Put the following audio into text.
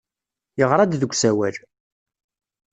Yeɣra-d deg usawal.